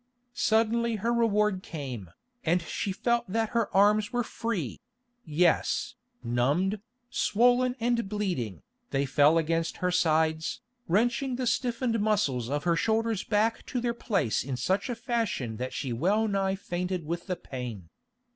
Suddenly her reward came, and she felt that her arms were free; yes, numbed, swollen and bleeding, they fell against her sides, wrenching the stiffened muscles of her shoulders back to their place in such a fashion that she well nigh fainted with the pain.